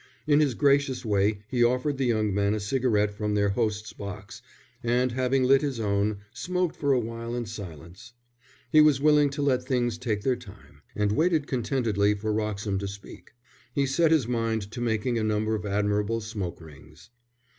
In his gracious way he offered the young man a cigarette from their host's box, and having lit his own, smoked for a while in silence. He was willing to let things take their time, and waited contentedly for Wroxham to speak. He set his mind to making a number of admirable smoke rings.